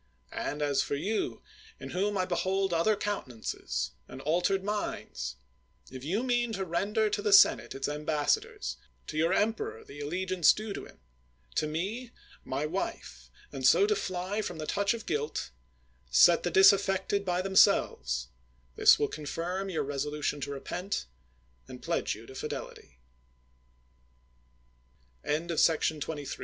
And as for you, in whom I be hold other countenances and altered minds, if you mean to render to the senate its ambassadors, to your emperor the allegiance due to him, to me, my wife, and so to fly from the touch of guilt, set the disaffected by themselves; this wiU confirm your resolution to repent, and pledge you to fidelity.